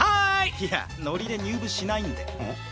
いやノリで入部しないんで。